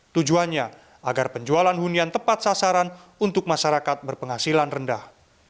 tujuannya agar penjualan hunian tepat sasaran untuk masyarakat berpenghasilan rendah